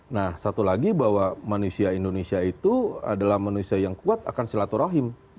nah satu lagi bahwa manusia indonesia itu adalah manusia yang kuat akan silaturahim